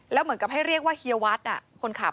แล้วเหมือนกับให้เรียกว่าเฮียวัดคนขับ